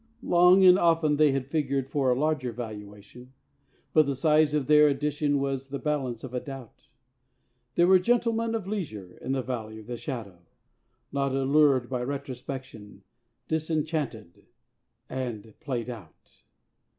Long and often had they figured for a larger valuation, But the size of their addition was the balance of a doubt: There were gentlemen of leisure in the Valley of the Shadow, Not allured by retrospection, disenchanted, and played out.